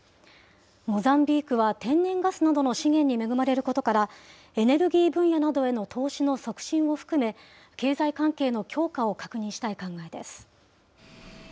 モザンビークは天然ガスなどの資源に恵まれることから、エネルギー分野などへの投資の促進を含め、経済関係の強化を確認したい考えです。